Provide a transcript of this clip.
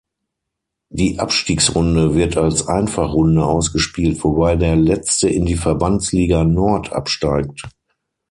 Die Abstiegsrunde wird als Einfachrunde ausgespielt, wobei der Letzte in die Verbandsliga Nord absteigt.